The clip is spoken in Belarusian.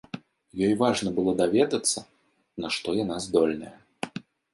Ёй важна было даведацца, на што яна здольная.